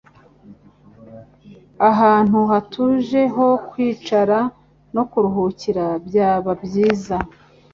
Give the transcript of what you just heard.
Ahantu hatuje ho kwicara no kuruhukira byaba byiza.